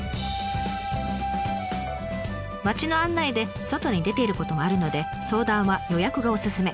町の案内で外に出ていることもあるので相談は予約がおすすめ。